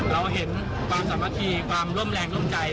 เราเห็นความสามัคคีความร่วมแรงร่วมใจ